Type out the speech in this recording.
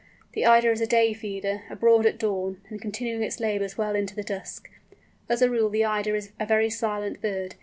The Eider is a day feeder, abroad at dawn, and continuing its labours well into the dusk. As a rule the Eider is a very silent bird.